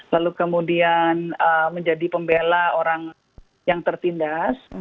lalu kemudian menjadi pembela orang yang tertindas